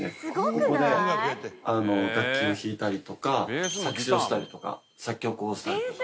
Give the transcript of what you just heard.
ここで楽器を弾いたりとか作詞をしたりとか作曲をしたりとか。